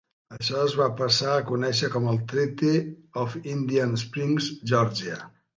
Això es va passar a conèixer com el Treaty of Indian Springs, Geòrgia.